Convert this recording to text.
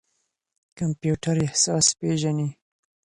کمپيوټر احساس پېژني.